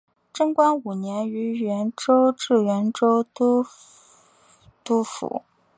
贞观五年于原州置原州都督府。